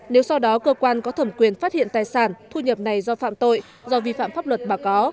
nếu sau đó cơ quan có thẩm quyền phát hiện tài sản thu nhập này do phạm tội do vi phạm pháp luật mà có